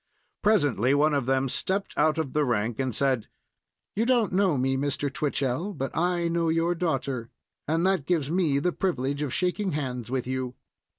Presently one of them stepped out of the rank and said: "You don't know me, Mr. Twichell; but I know your daughter, and that gives me the privilege of shaking hands with you."